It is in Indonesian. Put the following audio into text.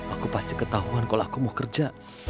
aku pasti ketahuan kalau aku mau kerja